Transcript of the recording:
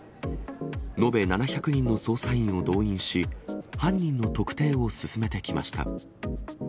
延べ７００人の捜査員を動員し、犯人の特定を進めてきました。